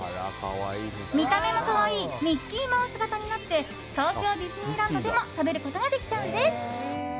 見た目も可愛いミッキーマウス形になって東京ディズニーランドでも食べることができちゃうんです。